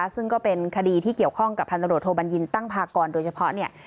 ซึ่งก็เป็นคดีที่เกี่ยวข้องกับพันตรวจโทบัญญินตั้งพากรโดยเฉพาะเนี่ย